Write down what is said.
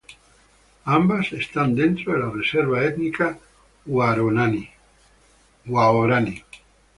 Ambas están dentro de la Reserva Étnica Huaorani.